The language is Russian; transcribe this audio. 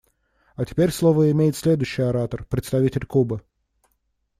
А теперь слово имеет следующий оратор − представитель Кубы.